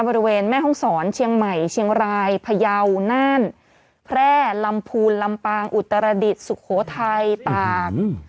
บริเวณแม่ห้องศรเชียงใหม่เชียงรายพยาวน่านแพร่ลำพูนลำปางอุตรดิษฐ์สุโขทัยตาก